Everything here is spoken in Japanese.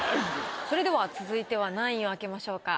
それでは続いては何位を開けましょうか？